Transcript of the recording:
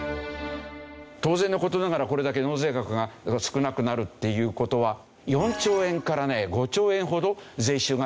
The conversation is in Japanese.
当然の事ながらこれだけ納税額が少なくなるっていう事は４兆円から５兆円ほど税収が減ってしまうという。